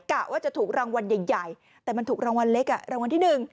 กะว่าจะถูกรางวัลใหญ่แต่มันถูกรางวัลเล็กอ่ะรางวัลที่๑